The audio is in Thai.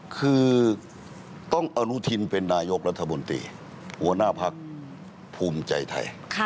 คือต้องอนุทินเป็นนายกรัฐมนตรีหัวหน้าพักภูมิใจไทย